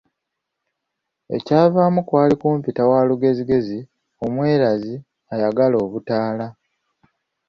Ekyavaamu kwali kumpita waalugezigezi, omwerazi, ayagala obutaala.